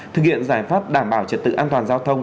thực hiện giải pháp đảm bảo trật tự an toàn giao thông